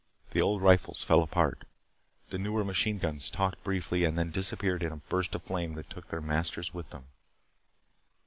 The old rifles fell apart. The newer machine guns talked briefly, and then disappeared in a burst of flame that took their masters with them.